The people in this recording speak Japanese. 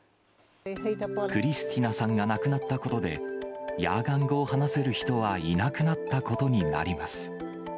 クリスティナさんが亡くなったことで、ヤーガン語を話せる人はいなくなったことになります。